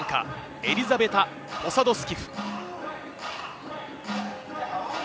エリザベタ・ポサドスキフ。